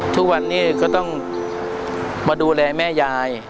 ทุกวันนี้ก็ต้องมาดูแลแม่ยาย